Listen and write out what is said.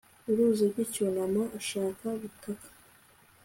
uruzi rw'icyunamo, shaka gutaka